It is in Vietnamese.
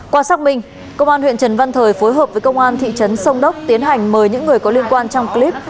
qua xác minh công an huyện trần văn thời phối hợp với công an thị trấn sông đốc tiến hành mời những người có liên quan trong clip